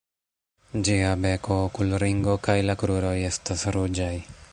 Ĝia beko, okulringo kaj la kruroj estas ruĝaj.